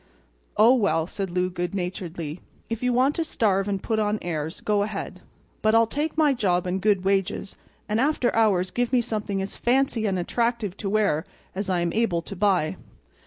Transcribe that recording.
"Oh, well," said Lou, good naturedly, "if you want to starve and put on airs, go ahead. But I'll take my job and good wages; and after hours give me something as fancy and attractive to wear as I am able to buy."